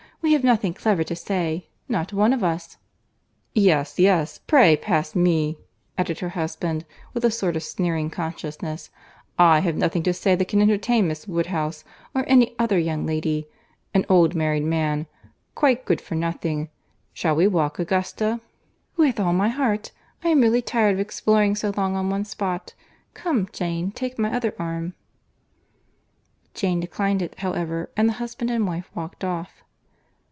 We have nothing clever to say—not one of us. "Yes, yes, pray pass me," added her husband, with a sort of sneering consciousness; "I have nothing to say that can entertain Miss Woodhouse, or any other young lady. An old married man—quite good for nothing. Shall we walk, Augusta?" "With all my heart. I am really tired of exploring so long on one spot. Come, Jane, take my other arm." Jane declined it, however, and the husband and wife walked off.